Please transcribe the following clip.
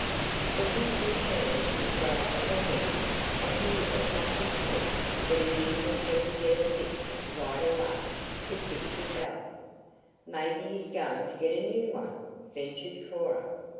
"But his machine is out of order, and he as much as said that he didn't intend to get it fixed right away," persisted Belle. "Maybe he's going to get a new one," ventured Cora.